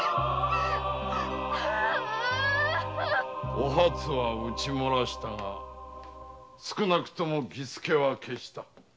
お初は討ち漏らしたが少なくとも儀助は消した。